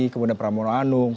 kemudian pramono anung